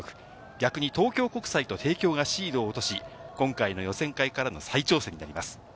逆に東京国際と帝京がシードを落とし、今回の予選会からの再挑戦になります。